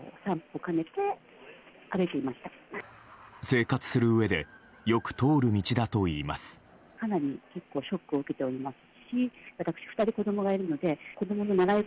生活するうえでよく通る道だといいます。